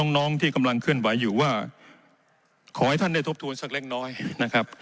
น้องที่กำลังเคลื่อนไหวอยู่ว่าขอให้ท่านได้ทบทวนสักเล็กน้อยนะครับ